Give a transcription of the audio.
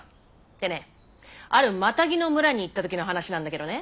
でねあるマタギの村に行った時の話なんだけどね。